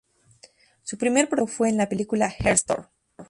Su primer protagónico fue en la película "Her Story".